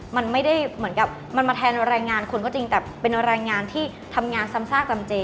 มันไม่ได้เหมือนกับมันมาแทนแรงงานคนก็จริงแต่เป็นแรงงานที่ทำงานซ้ำซากจำเจ